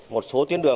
một số tuyến đường